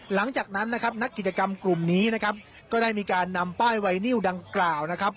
หลังจากนั้นนะครับนักกิจกรรมกลุ่มนี้นะครับก็ได้มีการนำป้ายไวนิวดังกล่าวนะครับ